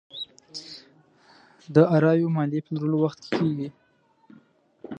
داراییو ماليې پلورلو وخت کې کېږي.